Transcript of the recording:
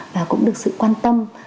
và cũng được sự quan tâm